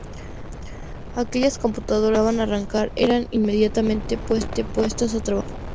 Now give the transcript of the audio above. Aquellas computadoras que lograban arrancar eran inmediatamente puestas a trabajar.